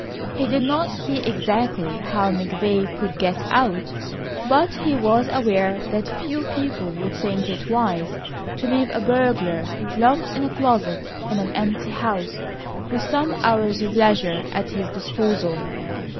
He did not see exactly how McVay could get out, but he was aware that few people would think it wise to leave a burglar locked in a closet in an empty house with some hours of leisure at his disposal.